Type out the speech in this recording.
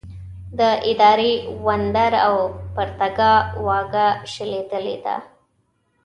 د اداري وندر او د پرتاګه واګه شلېدلې ده.